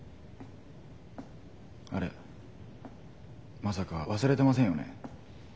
あれまさか忘れてませんよね。